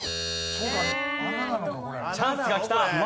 チャンスがきた。